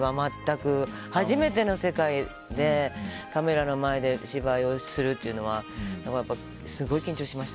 初めての世界でカメラの前で芝居をするというのはすごい緊張しました。